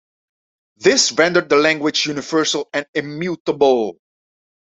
This rendered the language universal and immutable.